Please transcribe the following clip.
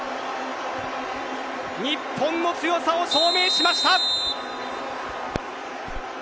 日本の強さを証明しました。